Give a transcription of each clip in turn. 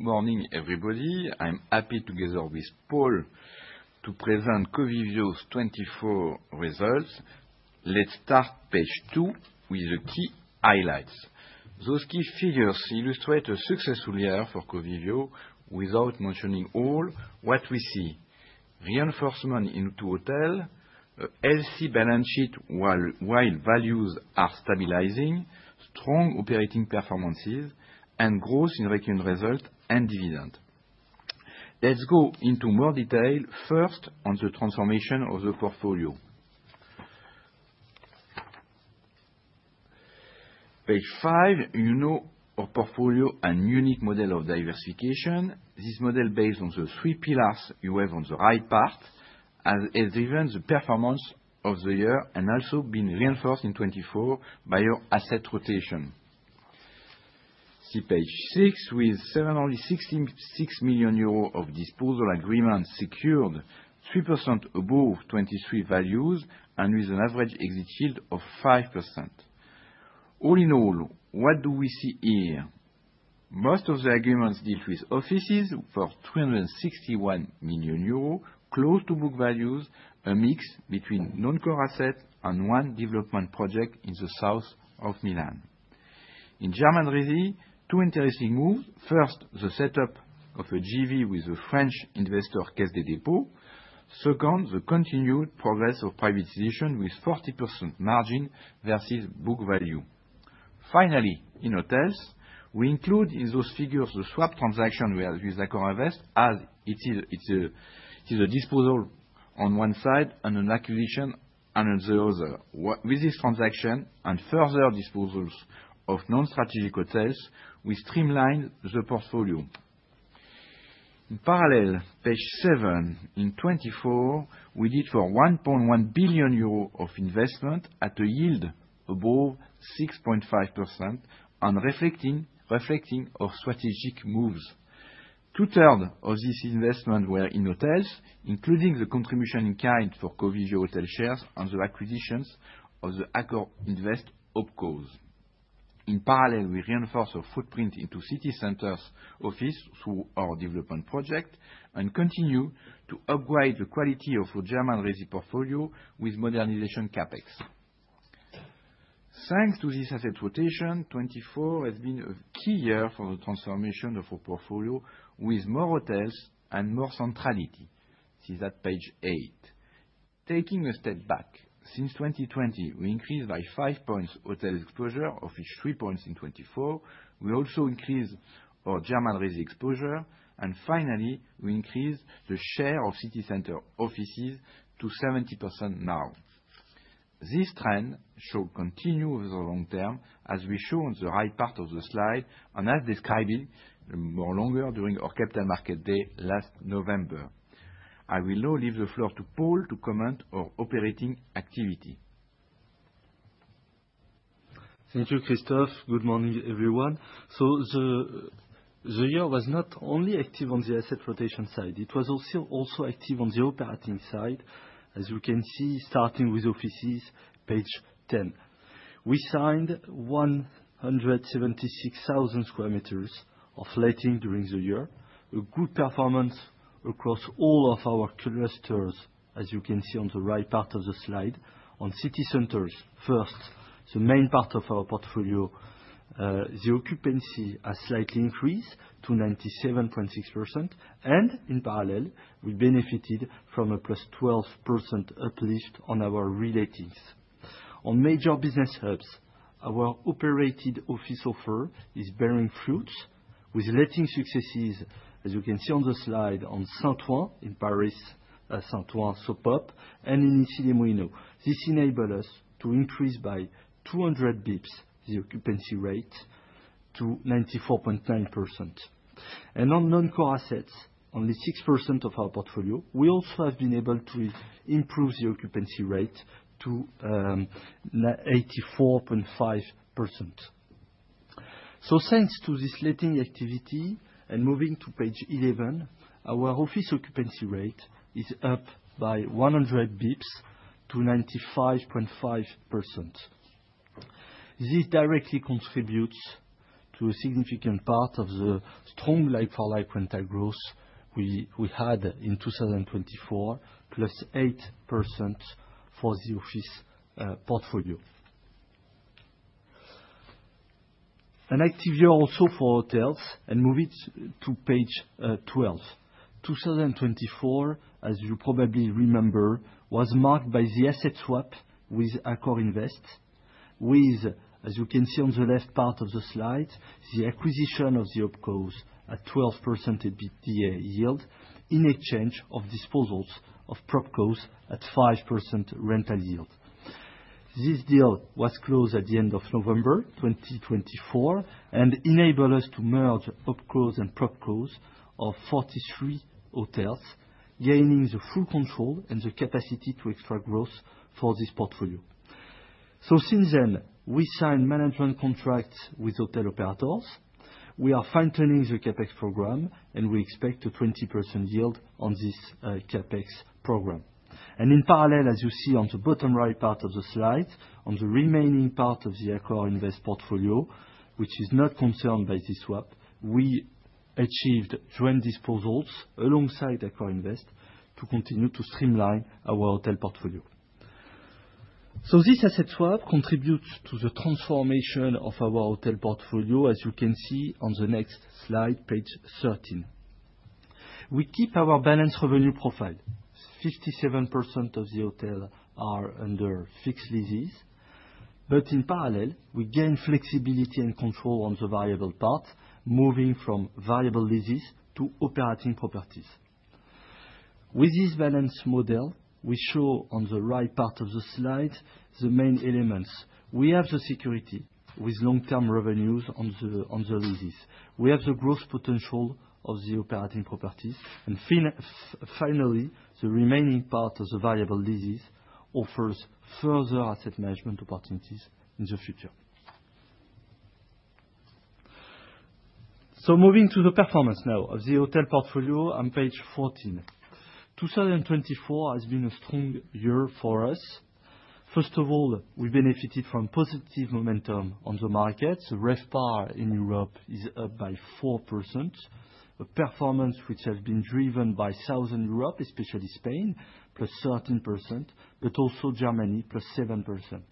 Good morning, everybody. I'm happy together with Paul to present Covivio's 2024 results. Let's start page two with the key highlights. Those key figures illustrate a successful year for Covivio. Without mentioning all, what we see, reinforcement into hotel, a healthy balance sheet while values are stabilizing, strong operating performances, and growth in recurring result and dividend. Let's go into more detail first on the transformation of the portfolio. Page five, you know our portfolio and unique model of diversification. This model, based on the three pillars you have on the right part, has driven the performance of the year and also been reinforced in 2024 by our asset rotation. See page six, with 766 million euros of disposal agreement secured, 3% above 2023 values, and with an average exit yield of 5%. All in all, what do we see here? Most of the agreements deal with offices worth 361 million euros, close to book values, a mix between non-core asset and one development project in the south of Milan. In German resi, two interesting moves. First, the setup of a JV with a French investor, Caisse des Dépôts. Second, the continued progress of privatization with 40% margin versus book value. Finally, in hotels, we include in those figures the swap transaction with AccorInvest, as it is a disposal on one side and an acquisition on the other. With this transaction and further disposals of non-strategic hotels, we streamlined the portfolio. In parallel, page seven, in 2024, we did for 1.1 billion euro of investment at a yield above 6.5% and reflecting our strategic moves. Two-third of this investment were in hotels, including the contribution in kind for Covivio Hotels shares on the acquisitions of the AccorInvest OpCos. In parallel, we reinforce our footprint into city centers office through our development project and continue to upgrade the quality of our German resi portfolio with modernization CapEx. Thanks to this asset rotation, 2024 has been a key year for the transformation of our portfolio, with more hotels and more centrality. See that page eight. Taking a step back, since 2020, we increased by five points hotel exposure, of which three points in 2024. We also increased our German resi exposure, and finally, we increased the share of city center offices to 70% now. This trend should continue over the long term, as we show on the right part of the slide and as described in more longer during our capital market day last November. I will now leave the floor to Paul to comment on operating activity. Thank you, Christophe. Good morning, everyone. The year was not only active on the asset rotation side, it was also active on the operating side, as you can see, starting with offices, page 10. We signed 176,000 sq m of letting during the year, a good performance across all of our clusters, as you can see on the right part of the slide. On city centers, first, the main part of our portfolio, the occupancy has slightly increased to 97.6%, and in parallel, we benefited from a +12% uplift on our relatings. On major business hubs, our operated office offer is bearing fruit with letting successes, as you can see on the slide, on Saint-Ouen in Paris, Saint-Ouen So Pop, and in Issy-les-Moulineaux. This enabled us to increase by 200 bps the occupancy rate to 94.9%. On non-core assets, only 6% of our portfolio, we also have been able to improve the occupancy rate to 84.5%. Thanks to this letting activity, and moving to page 11, our office occupancy rate is up by 100 bps to 95.5%. This directly contributes to a significant part of the strong like-for-like rental growth we had in 2024, +8% for the office portfolio. An active year also for hotels, and moving to page 12. 2024, as you probably remember, was marked by the asset swap with AccorInvest with, as you can see on the left part of the slide, the acquisition of the OpCos at 12% EBITDA yield in exchange of disposals of PropCos at 5% rental yield. This deal was closed at the end of November 2024 and enabled us to merge OpCos and PropCos of 43 hotels, gaining the full control and the capacity to extract growth for this portfolio. Since then, we signed management contracts with hotel operators. We are fine-tuning the CapEx program, and we expect a 20% yield on this CapEx program. In parallel, as you see on the bottom right part of the slide, on the remaining part of the AccorInvest portfolio, which is not concerned by this swap, we achieved joint disposals alongside AccorInvest to continue to streamline our hotel portfolio. This asset swap contributes to the transformation of our hotel portfolio, as you can see on the next slide, page 13. We keep our balanced revenue profile. 57% of the hotels are under fixed leases, in parallel, we gain flexibility and control on the variable part, moving from variable leases to operating properties. With this balanced model, we show on the right part of the slide the main elements. We have the security with long-term revenues on the leases. We have the growth potential of the operating properties. Finally, the remaining part of the variable leases offers further asset management opportunities in the future. Moving to the performance now of the hotel portfolio on page 14. 2024 has been a strong year for us. First of all, we benefited from positive momentum on the market. RevPAR in Europe is up by 4%, a performance which has been driven by Southern Europe, especially Spain, +13%, but also Germany, +7%.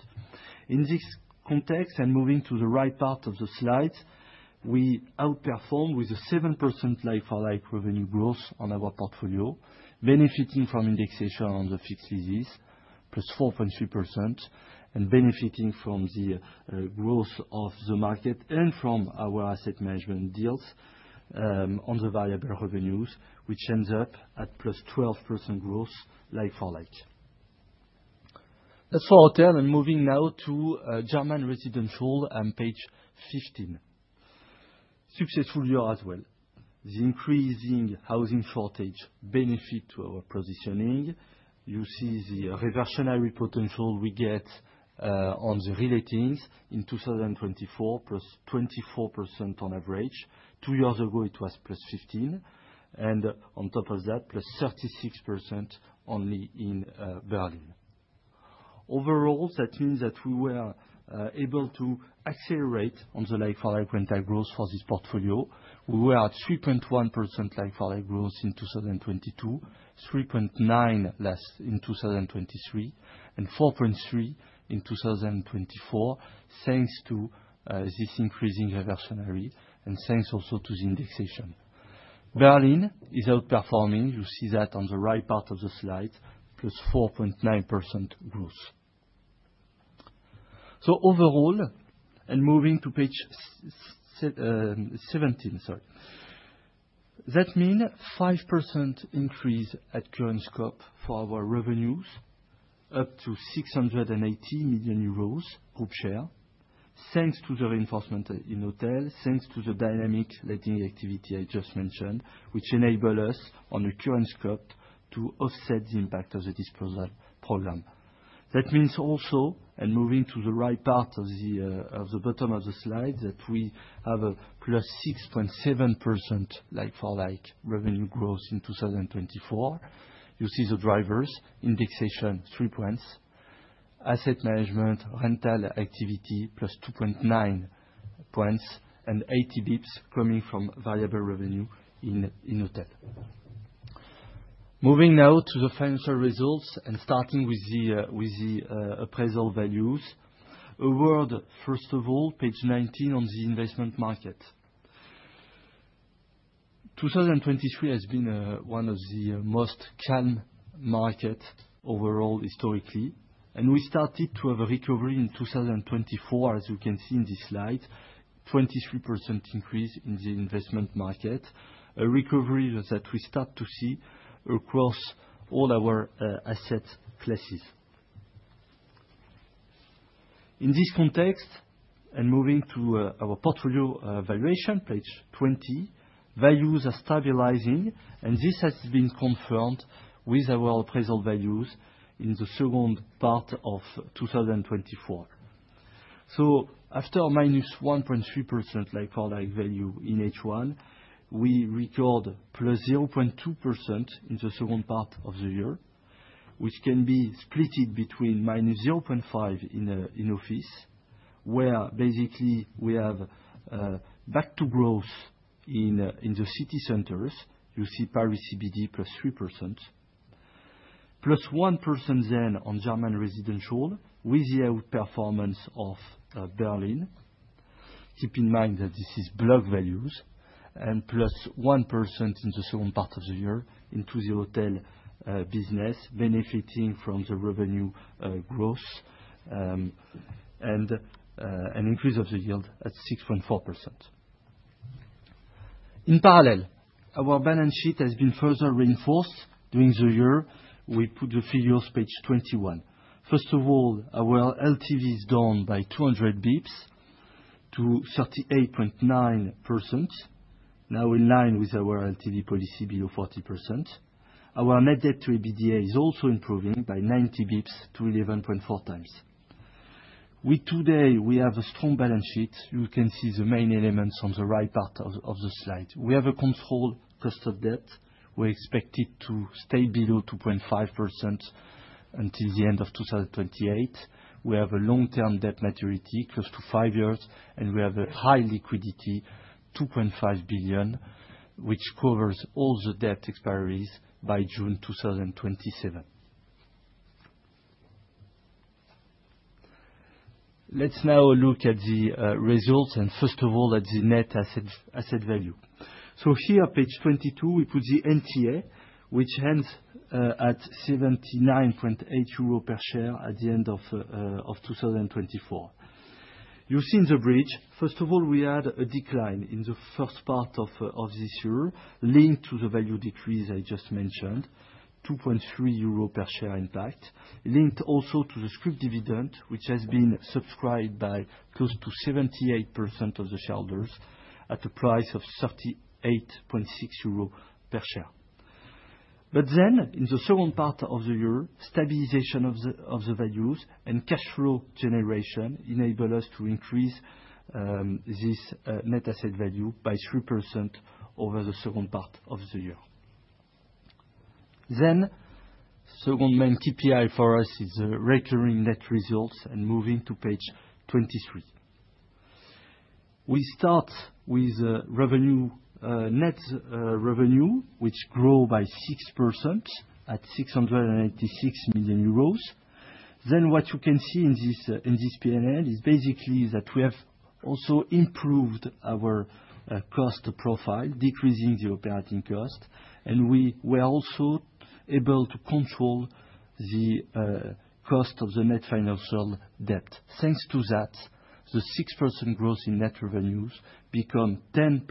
In this context, and moving to the right part of the slide, we outperformed with a 7% like-for-like revenue growth on our portfolio, benefiting from indexation on the fixed leases, +4.3%, and benefiting from the growth of the market and from our asset management deals on the variable revenues, which ends up at +12% growth like-for-like. That's for hotel. Moving now to German Residential on page 15. Successful year as well. The increasing housing shortage benefit to our positioning. You see the reversionary potential we get on the relettings in 2024, +24% on average. Two years ago, it was +15%. On top of that, +36% only in Berlin. Overall, that means that we were able to accelerate on the like-for-like rental growth for this portfolio. We were at 3.1% like-for-like growth in 2022, 3.9% in 2023, and 4.3% in 2024, thanks to this increasing reversionary and thanks also to the indexation. Berlin is outperforming. You see that on the right part of the slide, plus 4.9% growth. Overall, moving to page 17, that means 5% increase at current scope for our revenues, up to 680 million euros group share, thanks to the reinforcement in hotel, thanks to the dynamic letting activity I just mentioned, which enable us on the current scope to offset the impact of the disposal program. That means also, moving to the right part of the bottom of the slide, that we have a plus 6.7% like-for-like revenue growth in 2024. You see the drivers: indexation, three points, asset management, rental activity, plus 2.9 points, and 80 basis points coming from variable revenue in hotel. Moving now to the financial results starting with the appraisal values. A word, first of all, page 19 on the investment market. 2023 has been one of the most calm markets overall, historically, we started to have a recovery in 2024, as you can see in this slide, 23% increase in the investment market, a recovery that we start to see across all our asset classes. In this context, moving to our portfolio valuation, page 20, values are stabilizing, this has been confirmed with our appraisal values in the second part of 2024. After a minus 1.3% like-for-like value in H1, we record plus 0.2% in the second part of the year, which can be splitted between minus 0.5 in office, where basically we have back to growth in the city centers. You see Paris CBD plus 3%, plus 1% then on German Residential with the outperformance of Berlin. Keep in mind that this is block values, plus 1% in the second part of the year into the hotel business, benefiting from the revenue growth, an increase of the yield at 6.4%. In parallel, our balance sheet has been further reinforced during the year. We put the figures page 21. First of all, our LTV is down by 200 basis points to 38.9%, now in line with our LTV policy below 40%. Our net debt to EBITDA is also improving by 90 basis points to 11.4 times. With today, we have a strong balance sheet. You can see the main elements on the right part of the slide. We have a controlled cost of debt. We expect it to stay below 2.5% until the end of 2028. We have a long-term debt maturity close to five years, we have a high liquidity, 2.5 billion, which covers all the debt expiries by June 2027. Let's now look at the results, first of all, at the net asset value. Here, page 22, we put the NTA, which ends at 79.8 euro per share at the end of 2024. You've seen the bridge. First of all, we had a decline in the first part of this year, linked to the value decrease I just mentioned, 2.3 euro per share impact, linked also to the scrip dividend, which has been subscribed by close to 78% of the shareholders at a price of 38.60 euros per share. In the second part of the year, stabilization of the values and cash flow generation enable us to increase this net asset value by 3% over the second part of the year. Second main KPI for us is the recurring net results, and moving to page 23. We start with net revenue, which grew by 6% at 686 million euros. What you can see in this P&L is basically that we have also improved our cost profile, decreasing the operating cost, and we were also able to control the cost of the net financial debt. Thanks to that, the 6% growth in net revenues became 10%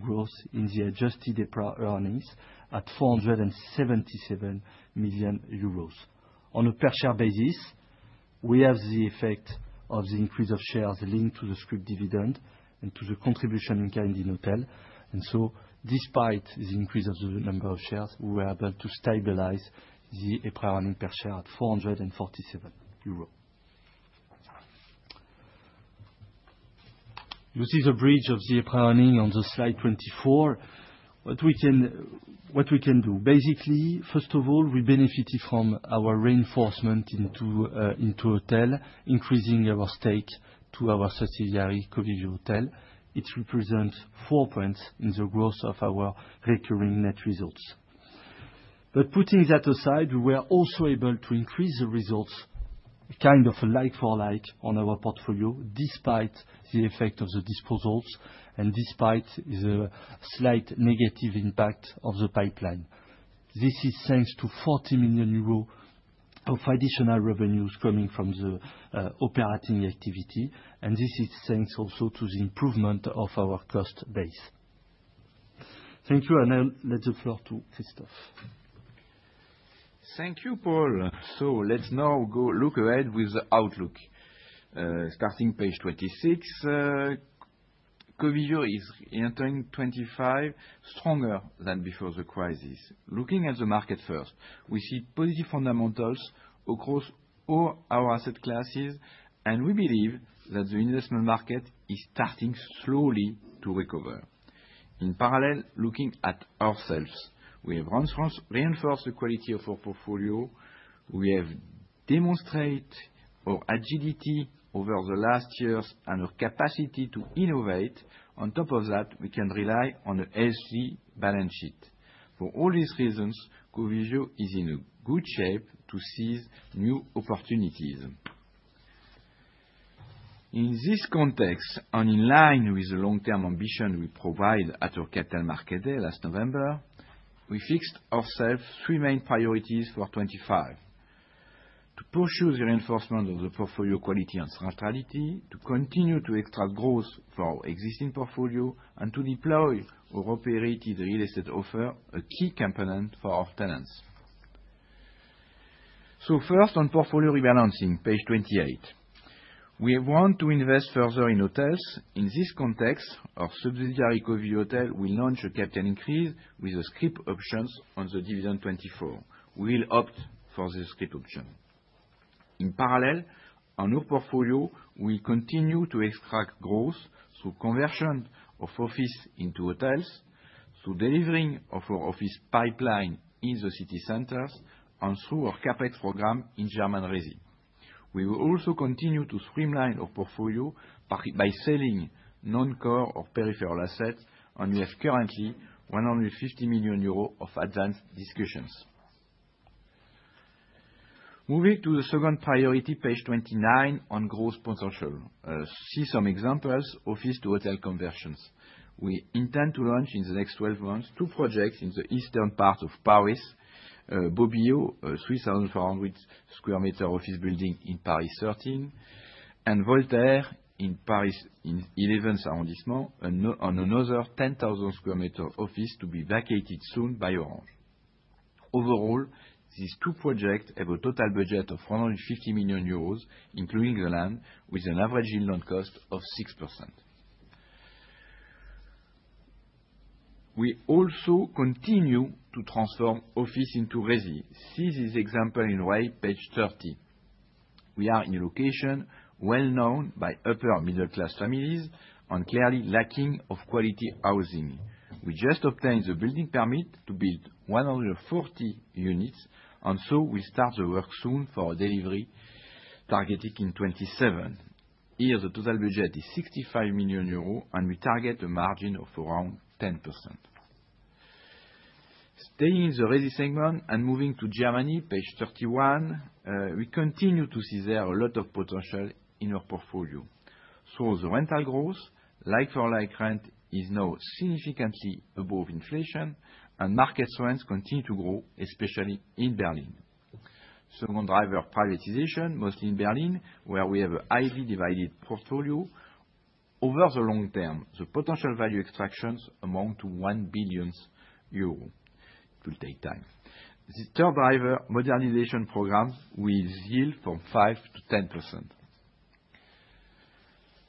growth in the adjusted earnings at 477 million euros. On a per share basis, we have the effect of the increase of shares linked to the scrip dividend and to the contribution in Candyn Hotel, and so despite the increase of the number of shares, we were able to stabilize the earnings per share at 447 euros. You see the bridge of the earnings on the slide 24. What we can do? First of all, we benefited from our reinforcement into hotel, increasing our stake to our subsidiary, Covivio Hotels. It represents 4 points in the growth of our recurring net results. Putting that aside, we were also able to increase the results, kind of like-for-like on our portfolio, despite the effect of the disposals and despite the slight negative impact of the pipeline. This is thanks to 40 million euros of additional revenues coming from the operating activity, and this is thanks also to the improvement of our cost base. Thank you, and I'll let the floor to Christophe. Thank you, Paul. Let's now go look ahead with the outlook. Starting page 26, Covivio is entering 2025 stronger than before the crisis. Looking at the market first, we see positive fundamentals across all our asset classes, and we believe that the investment market is starting slowly to recover. In parallel, looking at ourselves, we have reinforced the quality of our portfolio. We have demonstrated our agility over the last years and our capacity to innovate. On top of that, we can rely on a healthy balance sheet. For all these reasons, Covivio is in a good shape to seize new opportunities. In this context, and in line with the long-term ambition we provide at our capital market day last November, we fixed ourselves 3 main priorities for 2025. To pursue the reinforcement of the portfolio quality and sustainability, to continue to extract growth from existing portfolio, and to deploy our operated real estate offer, a key component for our tenants. First, on portfolio rebalancing, page 28. We want to invest further in hotels. In this context, our subsidiary, Covivio Hotels, will launch a capital increase with scrip options on the dividend 2024. We will opt for the scrip option. In parallel, on our portfolio, we continue to extract growth through conversion of office into hotels, through delivering of our office pipeline in the city centers, and through our CapEx program in German resi. We will also continue to streamline our portfolio by selling non-core or peripheral assets, and we have currently 150 million euros of advanced discussions. Moving to the second priority, page 29, on growth potential. See some examples, office-to-hotel conversions. We intend to launch in the next 12 months, two projects in the eastern part of Paris. Bobillot, a 3,400 sq m office building in Paris 13, and Voltaire in Paris in 11th arrondissement, on another 10,000 sq m office to be vacated soon by Orange. Overall, these two projects have a total budget of 150 million euros, including the land, with an average yield on cost of 6%. We also continue to transform office into resi. See this example in white, page 30. We are in a location well-known by upper middle class families and clearly lacking of quality housing. We just obtained the building permit to build 140 units, we start the work soon for delivery targeted in 2027. Here, the total budget is 65 million euros, and we target a margin of around 10%. Staying in the resi segment and moving to Germany, page 31. We continue to see there a lot of potential in our portfolio. The rental growth, like-for-like rent, is now significantly above inflation, and market rents continue to grow, especially in Berlin. Second driver, privatization, mostly in Berlin, where we have an highly divided portfolio. Over the long term, the potential value extractions amount to 1 billion euros. It will take time. The third driver, modernization programs, with yield from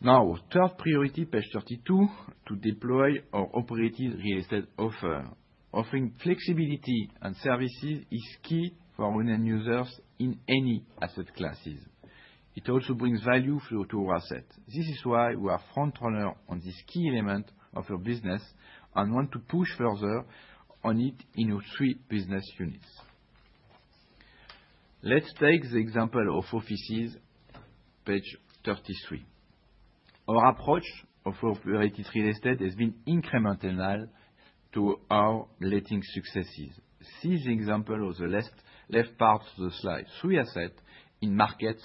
5%-10%. Third priority, page 32, to deploy our operated real estate offer. Offering flexibility and services is key for many users in any asset classes. It also brings value flow to our asset. This is why we are frontrunner on this key element of our business and want to push further on it in our three business units. Let's take the example of offices, page 33. Our approach of our operated real estate has been incremental to our letting successes. See the example of the left part of the slide. Three assets in markets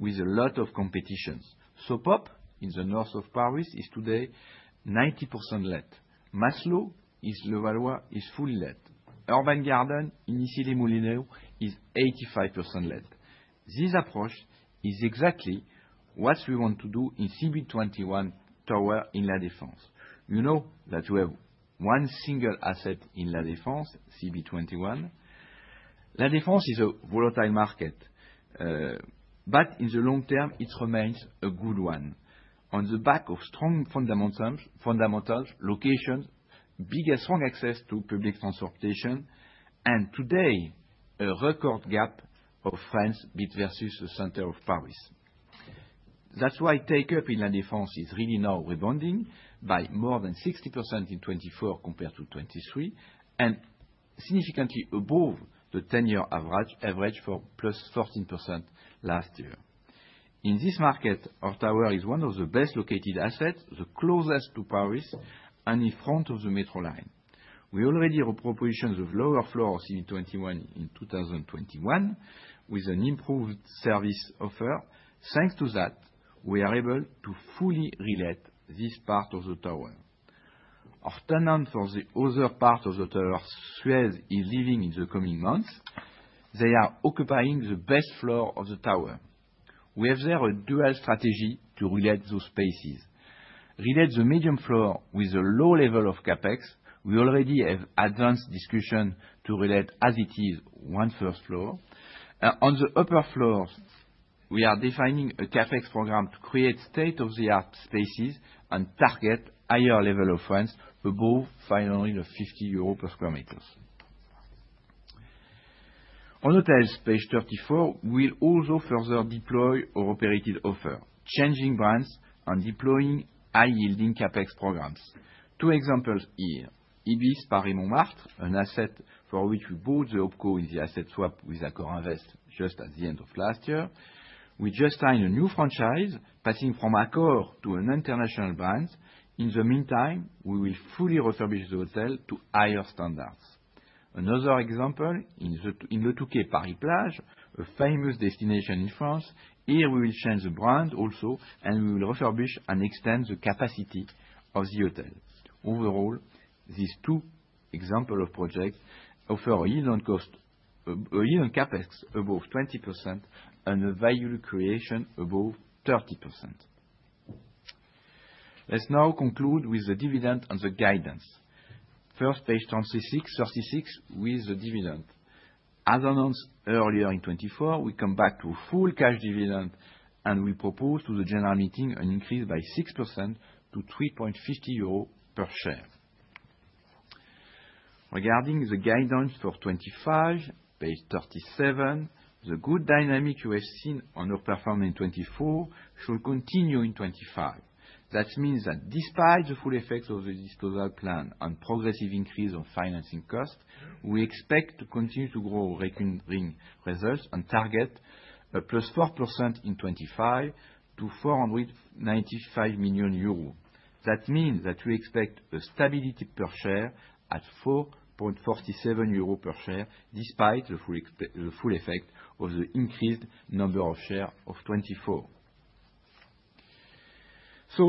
with a lot of competitions. So Pop in the north of Paris is today 90% let. Maslö in Levallois is fully let. Urban Garden in Issy-les-Moulineaux is 85% let. This approach is exactly what we want to do in CB21 tower in La Défense. You know that we have one single asset in La Défense, CB21. La Défense is a volatile market, but in the long term, it remains a good one. On the back of strong fundamentals, location, big and strong access to public transportation, and today, a record gap of rents bid versus the center of Paris. That's why take-up in La Défense is really now rebounding by more than 60% in 2024 compared to 2023, and significantly above the 10-year average for +14% last year. In this market, our tower is one of the best-located assets, the closest to Paris, and in front of the Metro line. We already have propositions of lower floors in 2021, with an improved service offer. Thanks to that, we are able to fully relet this part of the tower. Our tenant for the other part of the tower, Suez, is leaving in the coming months. They are occupying the best floor of the tower. We have there a dual strategy to relet those spaces. Relet the medium floor with a low level of CapEx. We already have advanced discussion to relet as it is, one first floor. On the upper floors, we are defining a CapEx program to create state-of-the-art spaces and target higher level of rents above 550 euro per sq m. On hotels, page 34, we'll also further deploy our operated offer, changing brands and deploying high-yielding CapEx programs. Two examples here. ibis Paris Montmartre, an asset for which we bought the opco in the asset swap with AccorInvest just at the end of last year. We just signed a new franchise, passing from Accor to an international brand. In the meantime, we will fully refurbish the hotel to higher standards. Another example, in Le Touquet Paris-Plage, a famous destination in France. Here, we will change the brand also, and we will refurbish and extend the capacity of the hotel. Overall, these two example of project offer a yield on cost. A yield on CapEx above 20% and a value creation above 30%. Let's now conclude with the dividend and the guidance. First, page 36, with the dividend. As announced earlier in 2024, we come back to full cash dividend. We propose to the general meeting an increase by 6% to 3.50 euro per share. Regarding the guidance for 2025, page 37, the good dynamic you have seen on our performance in 2024 should continue in 2025. That means that despite the full effects of the disposal plan and progressive increase of financing cost, we expect to continue to grow recurring results and target a +4% in 2025 to 495 million euros. That means that we expect a stability per share at 4.47 euros per share, despite the full effect of the increased number of share of 2024.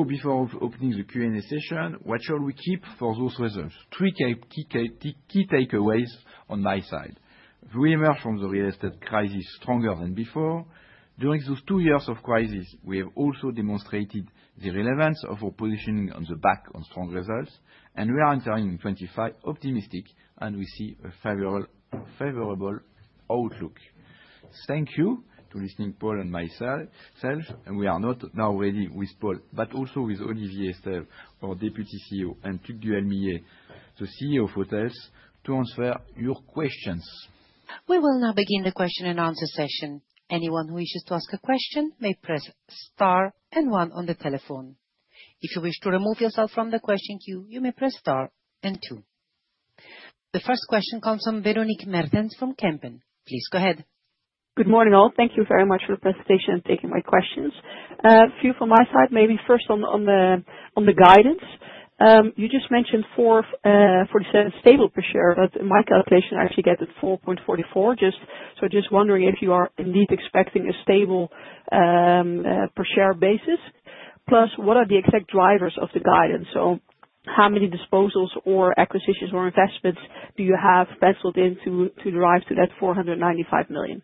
Before opening the Q&A session, what shall we keep for those results? Three key takeaways on my side. We emerged from the real estate crisis stronger than before. During those two years of crisis, we have also demonstrated the relevance of our positioning on the back of strong results. We are entering 2025 optimistic, and we see a favorable outlook. Thank you to listening, Paul and myself, and we are not now ready with Paul, but also with Olivier Estève, our Deputy CEO, and Hugues de Ermiller, the CEO of Hotels, to answer your questions. We will now begin the question and answer session. Anyone who wishes to ask a question may press Star and One on the telephone. If you wish to remove yourself from the question queue, you may press Star and Two. The first question comes from Véronique Meertens from Kempen. Please go ahead. Good morning, all. Thank you very much for the presentation and taking my questions. A few from my side. Maybe first on the guidance. You just mentioned 4.7 stable per share, but in my calculation, I actually get it 4.44. Just wondering if you are indeed expecting a stable per share basis. What are the exact drivers of the guidance? How many disposals or acquisitions or investments do you have penciled in to derive to that 495 million?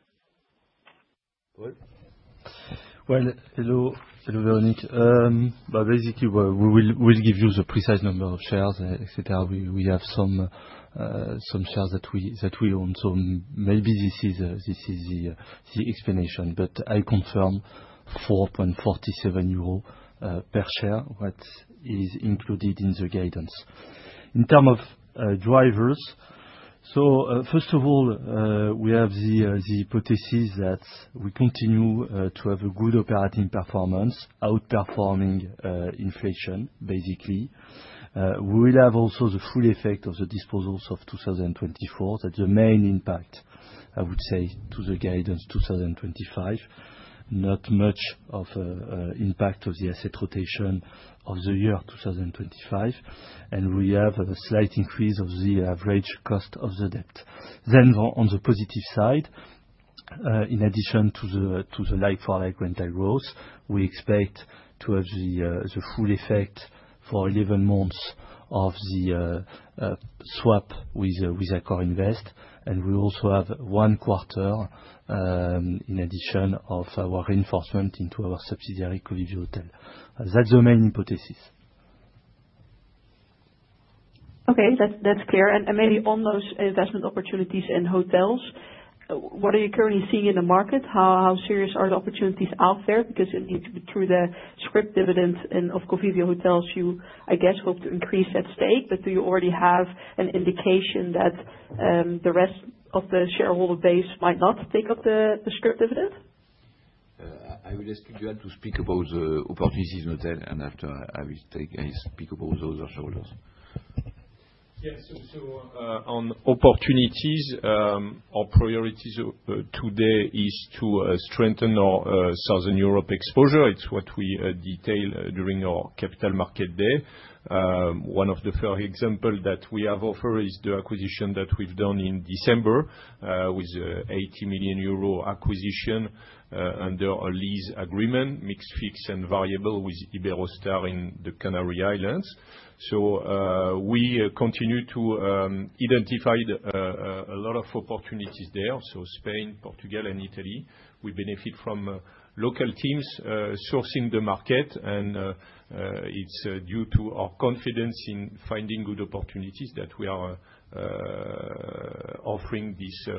Hello, Véronique. Basically, we will give you the precise number of shares, et cetera. We have some shares that we own. Maybe this is the explanation, but I confirm 4.47 euro per share that is included in the guidance. In term of drivers, first of all, we have the hypothesis that we continue to have a good operating performance, outperforming inflation, basically. We will have also the full effect of the disposals of 2024. That's the main impact, I would say, to the guidance 2025. Not much of impact of the asset rotation of the year 2025. We have a slight increase of the average cost of the debt. On the positive side, in addition to the like-for-like rental growth, we expect to have the full effect for 11 months of the swap with AccorInvest. We also have one quarter, in addition of our reinforcement into our subsidiary, Covivio Hotels. That's the main hypothesis. Okay. That's clear. Maybe on those investment opportunities in hotels, what are you currently seeing in the market? How serious are the opportunities out there? Indeed, through the scrip dividends and of Covivio Hotels, you, I guess, hope to increase that stake. Do you already have an indication that the rest of the shareholder base might not take up the scrip dividend? I will ask Hugues to speak about the opportunities hotel. After I will speak about those shareholders. On opportunities, our priorities today is to strengthen our Southern Europe exposure. It's what we detail during our capital market day. One of the fair example that we have offered is the acquisition that we've done in December, with 80 million euro acquisition under a lease agreement, mixed fixed and variable with Iberostar in the Canary Islands. We continue to identify a lot of opportunities there. Spain, Portugal, and Italy. We benefit from local teams sourcing the market, and it's due to our confidence in finding good opportunities that we are offering this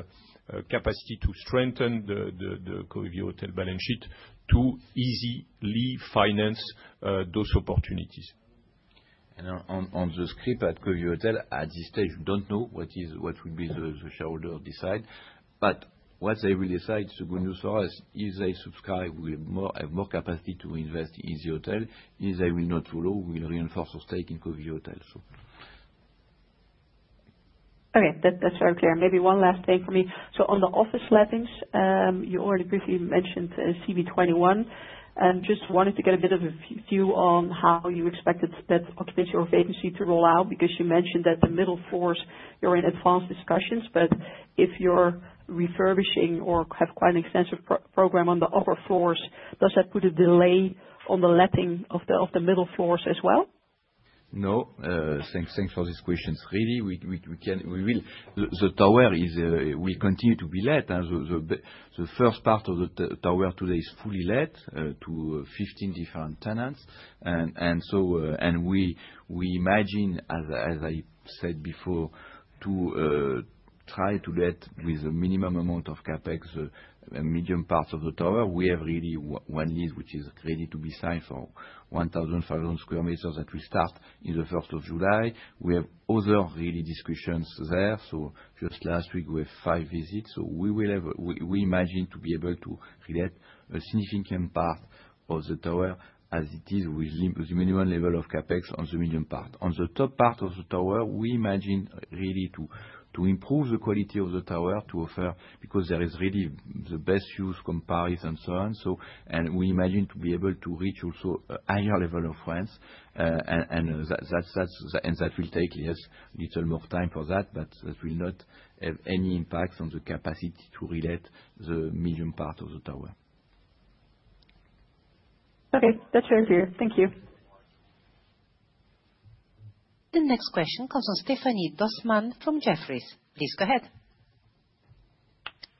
capacity to strengthen the Covivio Hotels balance sheet to easily finance those opportunities. On the scrip at Covivio Hotels, at this stage, we don't know what will be the shareholder decide. What they will decide, the good news for us, if they subscribe, we have more capacity to invest in the hotel. If they will not follow, we'll reinforce our stake in Covivio Hotels. Okay. That's very clear. Maybe one last thing for me. On the office lettings, you already briefly mentioned CB21. Just wanted to get a bit of a view on how you expected that occupational vacancy to roll out, because you mentioned that the middle floors, you're in advanced discussions. If you're refurbishing or have quite an extensive program on the upper floors, does that put a delay on the letting of the middle floors as well? No. Thanks for this question. The tower will continue to be let. The first part of the tower today is fully let to 15 different tenants. We imagine, as I said before, to try to let with a minimum amount of CapEx, the medium parts of the tower. We have really one lease, which is ready to be signed for 1,500 sq m that will start in the 1st of July. We have other really discussions there. Just last week we have five visits. We imagine to be able to re-let a significant part of the tower as it is with the minimum level of CapEx on the medium part. On the top part of the tower, we imagine really to improve the quality of the tower to offer, because there is really the best views comparison and so on. We imagine to be able to reach also a higher level of rents, and that will take little more time for that will not have any impact on the capacity to re-let the medium part of the tower. Okay. That's very clear. Thank you. The next question comes from Stéphanie Dossmann from Jefferies. Please go ahead.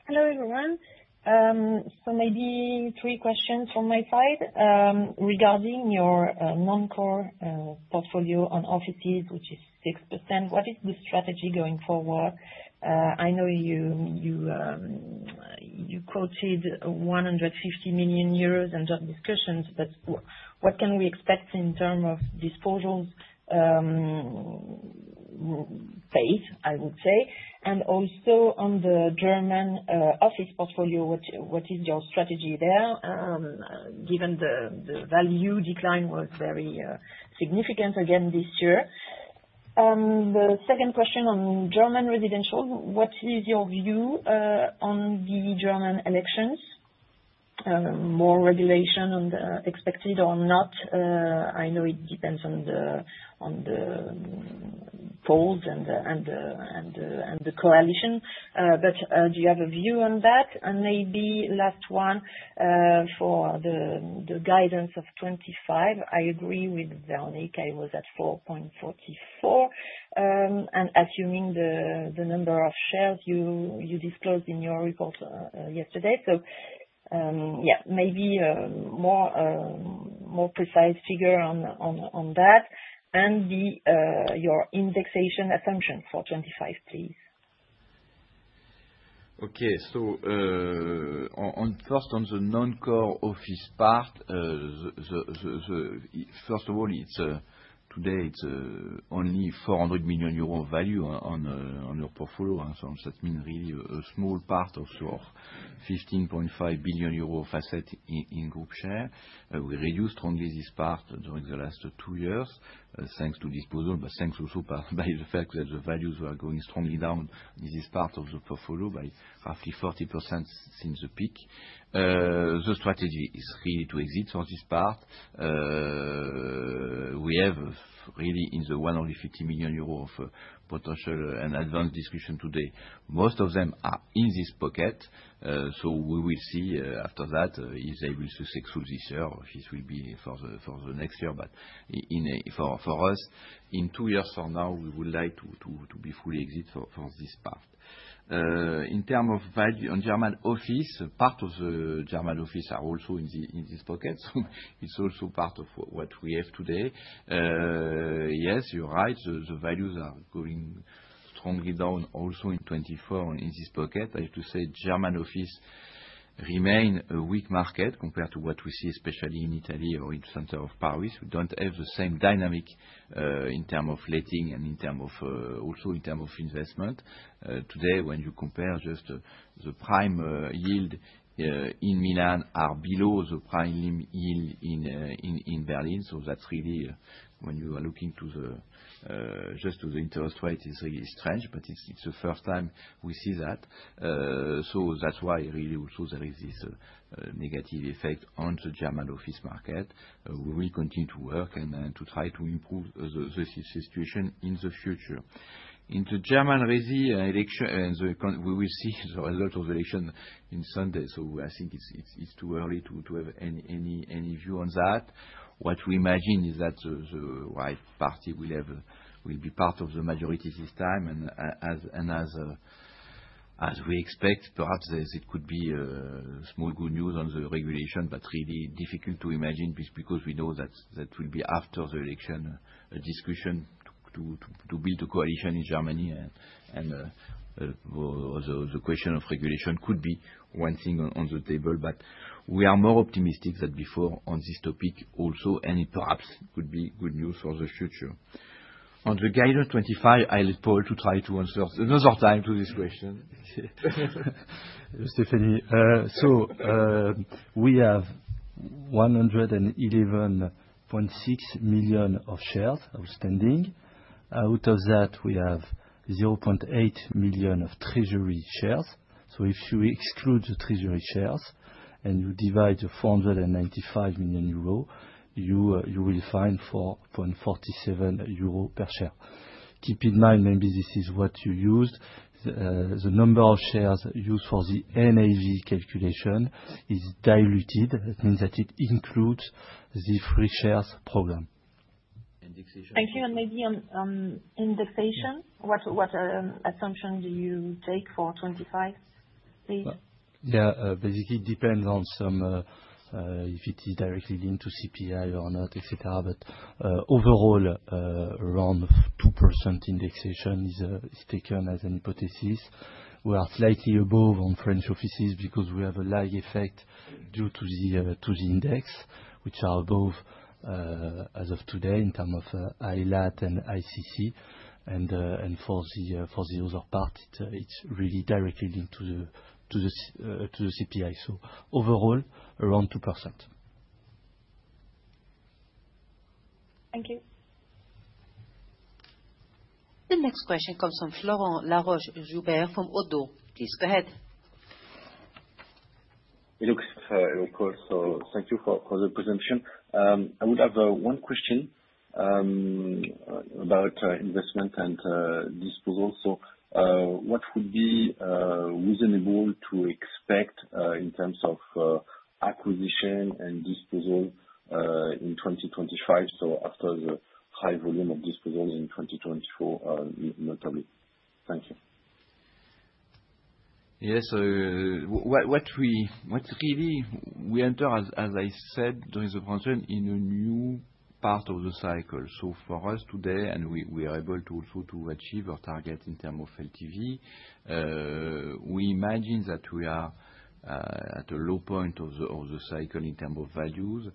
Hello, everyone. Maybe three questions from my side. Regarding your non-core portfolio on offices, which is 6%, what is the strategy going forward? I know you quoted 150 million euros in job discussions, but what can we expect in terms of disposals pace, I would say. Also on the German Office portfolio, what is your strategy there, given the value decline was very significant again this year. The second question on German Residential, what is your view on the German elections? More regulation expected or not? I know it depends on the polls and the coalition. Do you have a view on that? Maybe last one, for the guidance of 2025, I agree with Véronique. I was at 4.44. Assuming the number of shares you disclosed in your report yesterday. Yeah, maybe a more precise figure on that and your indexation assumption for 2025, please. Okay. First on the non-core office part. First of all, today it's only 400 million euro value on your portfolio. That means really a small part of your 15.5 billion euro of asset in group share. We reduce strongly this part during the last two years, thanks to disposal, but thanks also by the fact that the values were going strongly down this part of the portfolio by roughly 40% since the peak. The strategy is really to exit from this part. We have really in the 150 million euro of potential and advanced discussion today. Most of them are in this pocket, we will see after that if they will success through this year, or if will be for the next year. For us, in two years from now, we would like to be fully exit from this part. In terms of value on German Office, part of the German Office are also in this pocket, it's also part of what we have today. Yes, you're right, the values are going strongly down also in 2024 in this pocket. I have to say, German Office remain a weak market compared to what we see, especially in Italy or in center of Paris. We don't have the same dynamic in terms of letting and also in terms of investment. Today, when you compare just the prime yield in Milan are below the prime yield in Berlin. That's really when you are looking just to the interest rate, it's really strange, but it's the first time we see that. That's why really also there is this negative effect on the German Office market. We will continue to work and to try to improve the situation in the future. In the German election, we will see the result of the election on Sunday. I think it is too early to have any view on that. What we imagine is that the right party will be part of the majority this time and as we expect, perhaps it could be small good news on the regulation, but really difficult to imagine, because we know that will be after the election, a discussion to build a coalition in Germany. The question of regulation could be one thing on the table, but we are more optimistic than before on this topic also, and it perhaps could be good news for the future. On the guidance 2025, I will let Paul to try to answer another time to this question. Stéphanie. We have 111.6 million of shares outstanding. Out of that, we have 0.8 million of treasury shares. If you exclude the treasury shares and you divide the 495 million euros, you will find 4.47 euros per share. Keep in mind, maybe this is what you used, the number of shares used for the NAV calculation is diluted. It means that it includes the free shares program. Indexation. Thank you. Maybe on indexation, what assumption do you take for 2025, please? Basically, it depends on some, if it is directly linked to CPI or not, et cetera. Overall, around 2% indexation is taken as an hypothesis. We are slightly above on French offices because we have a lag effect due to the index, which are above as of today in terms of ILAT and ICC, and for the other part, it is really directly linked to the CPI. Overall, around 2%. Thank you. The next question comes from Florent Laroche-Joubert from Oddo. Please go ahead. Thank you for the presentation. I would have one question about investment and disposal. What would be reasonable to expect in terms of acquisition and disposal in 2025? After the high volume of disposals in 2024, notably. Thank you. We enter, as I said during the presentation, in a new part of the cycle. For us today, and we are able also to achieve our target in term of LTV. We imagine that we are at a low point of the cycle in term of values.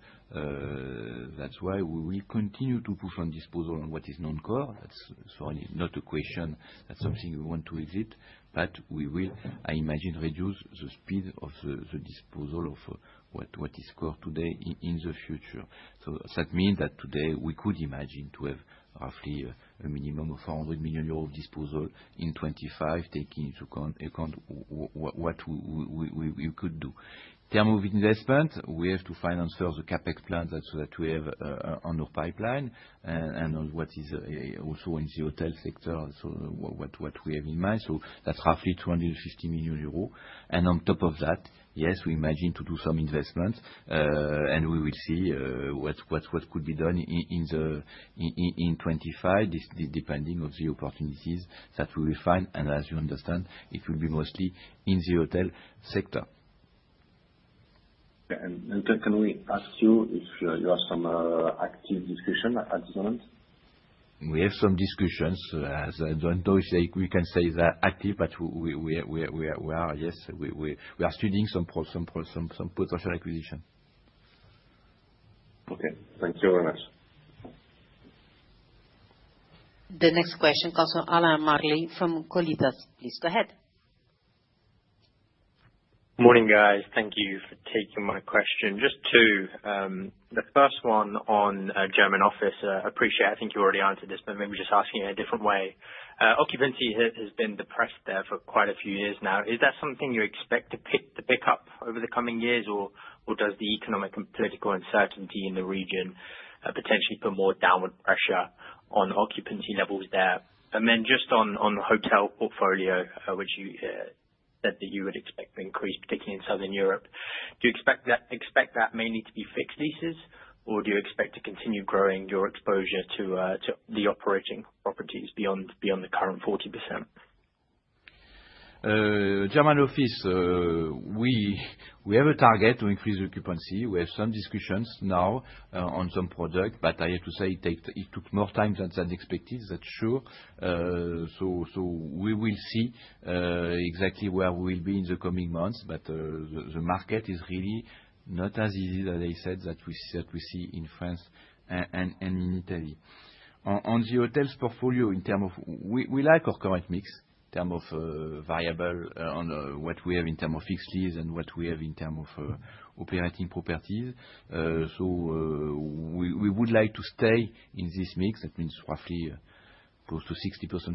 That's why we will continue to push on disposal on what is non-core. That's certainly not a question, that's something we want to exit. But we will, I imagine, reduce the speed of the disposal of what is core today in the future. That mean that today we could imagine to have roughly a minimum of 400 million euros of disposal in 2025, taking into account what we could do. In term of investment, we have to finance all the CapEx plans that we have on our pipeline, and on what is also in the hotel sector. What we have in mind. That's roughly 250 million euros. On top of that, yes, we imagine to do some investments, and we will see what could be done in 2025, depending on the opportunities that we will find. As you understand, it will be mostly in the hotel sector. Yeah. Can we ask you if you have some active discussion at the moment? We have some discussions. As Jean-Thomas said, we can't say they are active, but we are, yes. We are studying some potential acquisition. Okay. Thank you very much. The next question comes from Alan Marley from Collins. Please go ahead. Morning, guys. Thank you for taking my question. Just 2. The first one on German office. Appreciate, I think you already answered this, but maybe just asking in a different way. Occupancy has been depressed there for quite a few years now. Is that something you expect to pick up over the coming years? Or does the economic and political uncertainty in the region, potentially put more downward pressure on occupancy levels there? Then just on the hotel portfolio, which you said that you would expect to increase, particularly in Southern Europe. Do you expect that mainly to be fixed leases? Or do you expect to continue growing your exposure to the operating properties beyond the current 40%? German office, we have a target to increase the occupancy. We have some discussions now on some product, but I have to say it took more time than expected. That is sure. We will see exactly where we will be in the coming months. The market is really not as easy, as I said, that we see in France and in Italy. On the hotels portfolio, we like our current mix in terms of variable on what we have in terms of fixed lease and what we have in terms of operating properties. We would like to stay in this mix. That means roughly close to 60%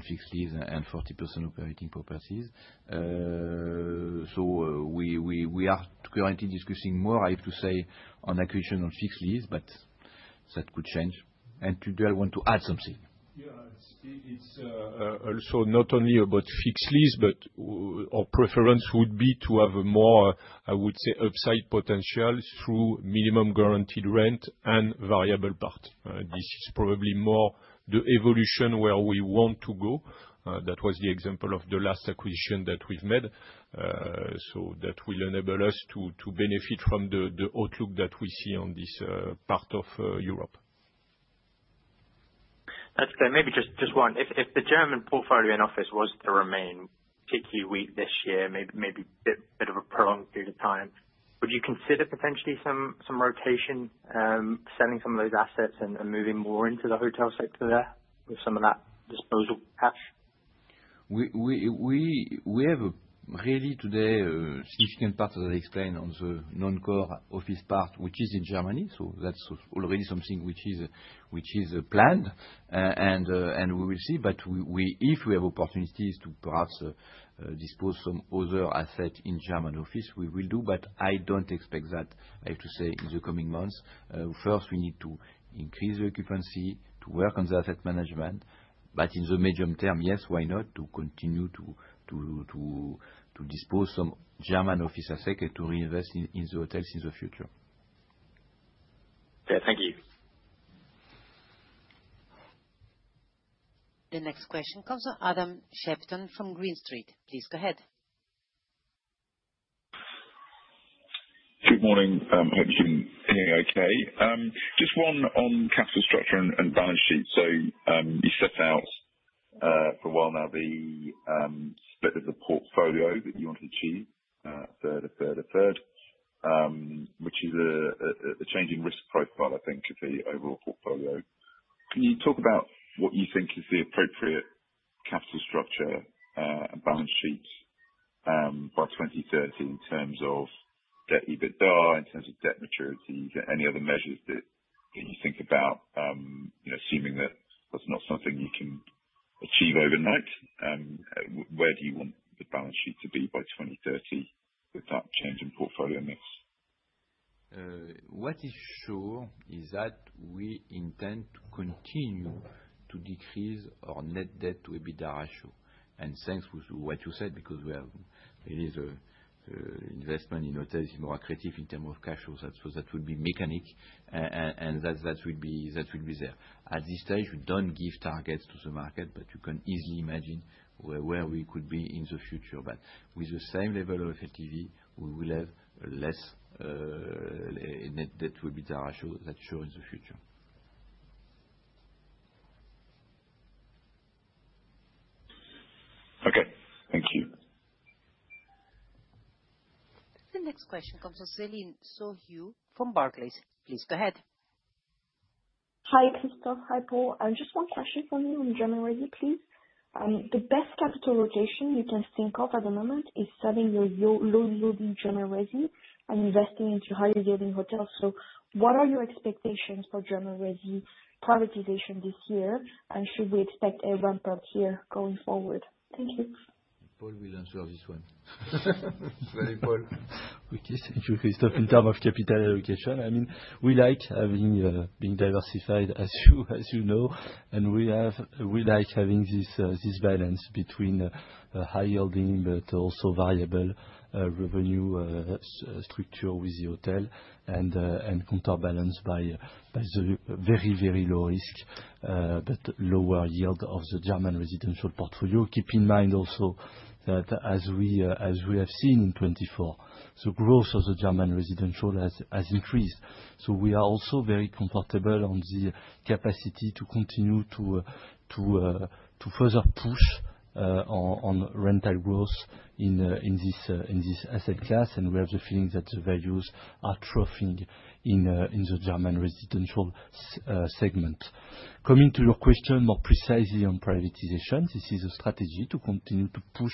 fixed lease and 40% operating properties. We are currently discussing more, I have to say, on acquisition on fixed lease, but that could change. Pierre, do you want to add something? Yeah. It is also not only about fixed lease, but our preference would be to have a more, I would say, upside potential through minimum guaranteed rent and variable part. This is probably more the evolution where we want to go. That was the example of the last acquisition that we have made. That will enable us to benefit from the outlook that we see on this part of Europe. That's clear. Maybe just one. If the German portfolio in office was to remain particularly weak this year, maybe bit of a prolonged period of time, would you consider potentially some rotation, selling some of those assets and moving more into the hotel sector there with some of that disposal cash? We have really today a significant part, as I explained, on the non-core office part, which is in Germany. That's already something which is planned. We will see. If we have opportunities to perhaps dispose some other asset in German office, we will do, but I don't expect that, I have to say, in the coming months. First, we need to increase the occupancy to work on the asset management. But in the medium term, yes, why not? To continue to dispose some German office asset to reinvest in the hotels in the future. Yeah, thank you. The next question comes from Adam Shepton from Green Street. Please go ahead. Good morning. Hope you can hear me okay. Just one on capital structure and balance sheet. You set out, for a while now the split of the portfolio that you want to achieve. A third, a third, a third. Which is a changing risk profile, I think, to the overall portfolio. Can you talk about what you think is the appropriate capital structure and balance sheet, by 2030, in terms of debt EBITDA, in terms of debt maturity? Any other measures that you think about, assuming that that's not something you can achieve overnight, where do you want the balance sheet to be by 2030 with that change in portfolio mix? What is sure is that we intend to continue to decrease our net debt to EBITDA ratio. Thanks with what you said, because we have really the investment in hotels is more accretive in term of cash flow. That will be mechanic, and that will be there. At this stage, we don't give targets to the market, but you can easily imagine where we could be in the future. With the same level of LTV, we will have less net debt to EBITDA ratio, that shows the future. The next question comes from Celine Souillat from Barclays. Please go ahead. Hi, Christophe. Hi, Paul. Just one question for you on German Resi, please. The best capital rotation you can think of at the moment is selling your low-yielding German Resi and investing into higher-yielding hotels. What are your expectations for German Resi privatization this year, and should we expect a ramp-up here going forward? Thank you. Paul will answer this one. It is for you, Paul. Thank you, Christophe. In terms of capital allocation, we like being diversified, as you know, and we like having this balance between high-yielding but also variable revenue structure with the hotel, and counterbalanced by the very low risk but lower yield of the German Residential portfolio. Keep in mind also that as we have seen in 2024, the growth of the German Residential has increased. We are also very comfortable on the capacity to continue to further push on rental growth in this asset class, and we have the feeling that the values are troughing in the German Residential segment. Coming to your question more precisely on privatization, this is a strategy to continue to push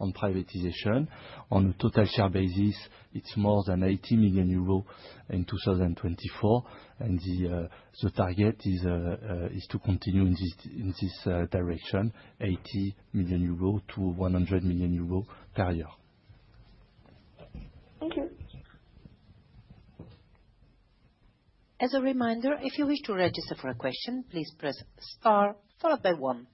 on privatization. On a total share basis, it is more than 80 million euros in 2024, and the target is to continue in this direction, 80 million-100 million euros per year. Thank you. As a reminder, if you wish to register for a question, please press star followed by one.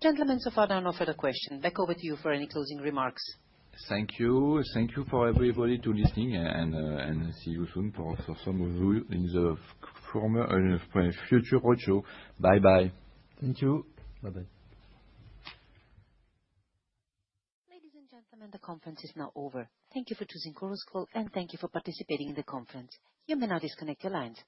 Gentlemen, so far no further question. Back over to you for any closing remarks. Thank you. Thank you for everybody listening. See you soon for some of you in the former and future roadshow. Bye-bye. Thank you. Bye-bye. Ladies and gentlemen, the conference is now over. Thank you for choosing Chorus Call. Thank you for participating in the conference. You may now disconnect your lines.